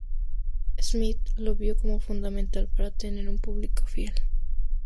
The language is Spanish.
Smith lo vio como fundamental para tener un público fiel.